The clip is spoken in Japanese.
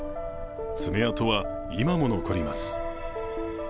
爪痕は今も残ります。